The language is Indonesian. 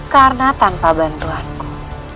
karena tanpa bantuanku